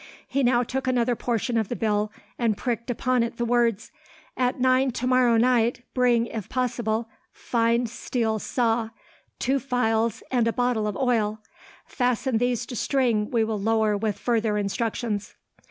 He now took another portion of the bill, and pricked upon it the words: At nine tomorrow night, bring, if possible, fine steel saw, two files, and small bottle of oil. Fasten these to string we will lower with further instructions.